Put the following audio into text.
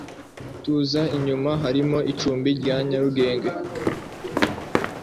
tuza inyuma harimo icumbi nyarugenge